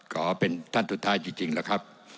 ขอเป็นท่านสุดท้ายจริงแล้วครับ